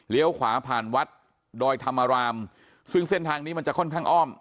ขวาผ่านวัดดอยธรรมรามซึ่งเส้นทางนี้มันจะค่อนข้างอ้อม